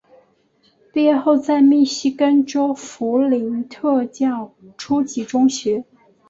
毕业后在密西根州弗林特教初级中学。